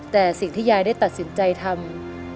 แต่สิ่งที่ยายได้ตัดสินใจทำ